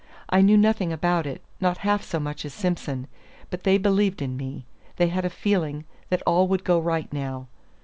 I knew nothing about it, not half so much as Simson; but they believed in me: they had a feeling that all would go right now.